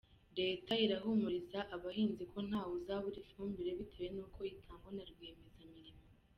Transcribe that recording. Leta irahumuriza abahinzi ko nta wuzabura ifumbire bitewe n’uko itangwa na rwiyemezamirimo